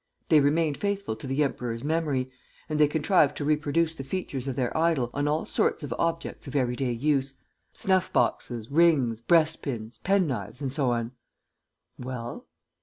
They remained faithful to the emperor's memory; and they contrived to reproduce the features of their idol on all sorts of objects of everyday use; snuff boxes, rings, breast pins, pen knives and so on." "Well?"